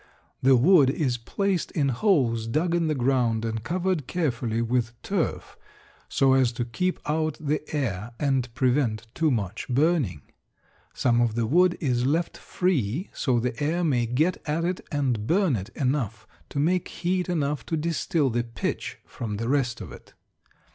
The wood is placed in holes dug in the ground and covered carefully with turf so as to keep out the air and prevent too much burning. Some of the wood is left free so the air may get at it and burn it enough to make heat enough to distil the pitch from the rest of it.